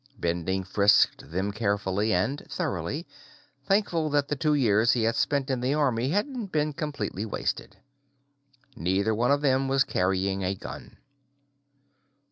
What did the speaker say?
Bending frisked them carefully and thoroughly, thankful that the two years he had spent in the Army hadn't been completely wasted. Neither one of them was carrying a gun.